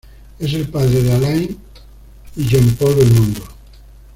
Es el padre de Alain y Jean-Paul Belmondo.